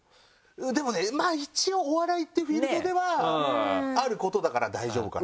でもねまぁ一応お笑いってフィールドではあることだから大丈夫かな。